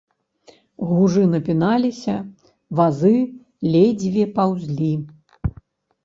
Гужы напіналіся, вазы ледзьве паўзлі.